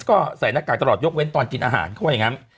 ก็ใส่หน้ากากตลอดยกเว้นตอนกินอาหารเขาว่าอย่างนั้น